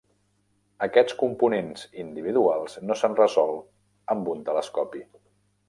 Aquests components individuals no s'han resolt amb un telescopi.